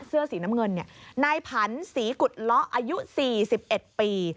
เสื้อสีน้ำเงินนายผันศรีกุฎเลาะอายุ๔๑ปี